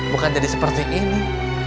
bukan jadi seperti ini